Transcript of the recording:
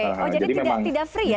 jadi tidak free ya